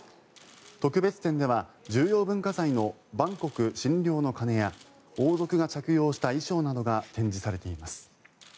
特別展では重要文化財の万国津梁の鐘や王族が着用した衣装などが展示されています。